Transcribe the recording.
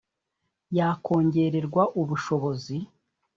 yakongererwa ubushobozi